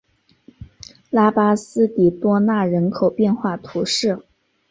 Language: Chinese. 拉巴斯蒂多纳人口变化图示